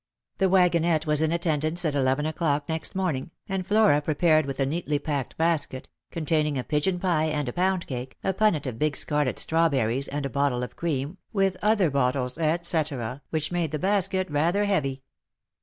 The wagonette was in attendance at eleven o'clock next morning, and Flora prepared with a neatly packed basket, con taining a pigeon pie and a pound cake, a punnet of big scarlet strawberries and a bottle of cream, with other bottles, et cetera, which made the basket rather heavy.